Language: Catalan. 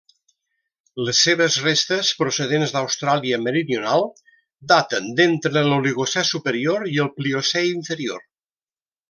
Les seves restes, procedents d'Austràlia Meridional, daten d'entre l'Oligocè superior i el Pliocè inferior.